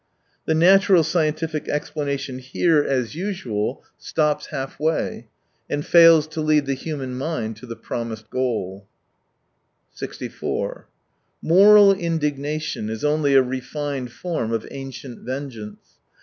The natural scientific explanation here, as usual, 75 stops halfway, and fails to lead the human mind to the promised goal. 64 Moral indignation is only a refined form of ancient vengeance.